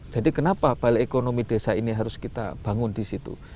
jadi kenapa balai ekonomi desa ini harus kita bangun di situ